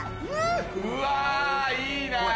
うわいいな。